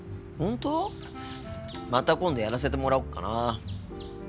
また今度やらせてもらおうかな。